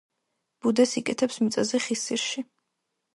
ბუდეს იკეთებს მიწაზე, ხის ძირში.